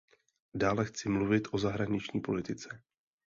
Dále chci mluvit o zahraniční politice.